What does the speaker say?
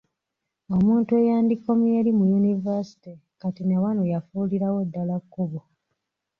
Omuntu ey’andikomye eri mu yunivasite kati ne wano yafuulirawo ddala kkubo.